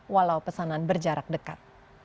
walau pesanan berjarak dekat